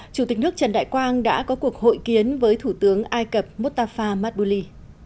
chủ tịch nước trần đại quang đã có cuộc hội kiến với thủ tướng ai cập mustafa mabouli